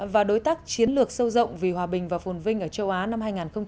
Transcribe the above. và đối tác chiến lược sâu rộng vì hòa bình và phồn vinh ở châu á năm hai nghìn hai mươi